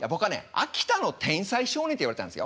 秋田の天才少年って言われてたんですよ。